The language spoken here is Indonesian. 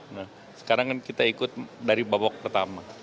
nah sekarang kan kita ikut dari babak pertama